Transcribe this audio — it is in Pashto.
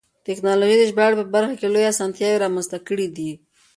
تکنالوژي د ژباړې په برخه کې لویې اسانتیاوې رامنځته کړې دي.